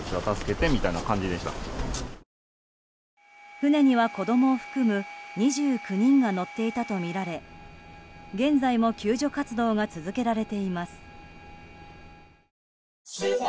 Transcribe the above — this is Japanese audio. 船には子供を含む２９人が乗っていたとみられ現在も救助活動が続けられています。